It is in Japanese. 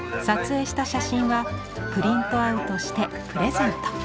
撮影した写真はプリントアウトしてプレゼント。